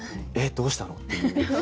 どうしたの？」っていう。